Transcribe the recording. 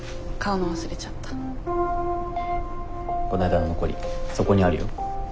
こないだの残りそこにあるよ。